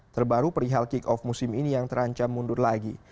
terbaru perihal kick off musim ini yang terancam mundur lagi